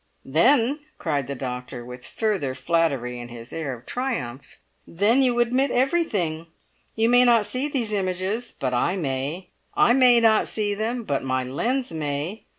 "Then," cried the doctor, with further flattery in his air of triumph, "then you admit everything! You may not see these images, but I may. I may not see them, but my lens may!